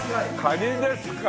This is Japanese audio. カニですか。